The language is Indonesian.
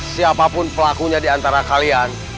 siapapun pelakunya di antara kalian